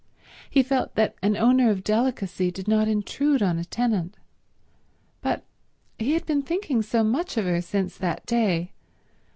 He felt that an owner of delicacy did not intrude on a tenant. But—he had been thinking so much of her since that day.